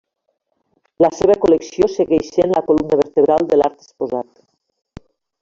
La seva col·lecció segueix sent la columna vertebral de l'art exposat.